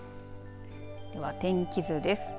では、天気図です。